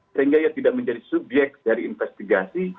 sehingga ya tidak menjadi subyek dari investigasi